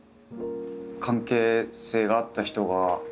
関係性があった人がいたのか。